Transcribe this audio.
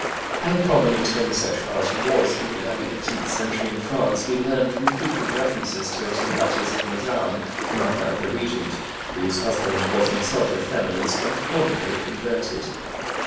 How prominent homosexuality was, in the early eighteenth century in France, we learn from the frequent references to it in the letters of Madame, the mother of the Regent, whose husband was himself effeminate and probably inverted.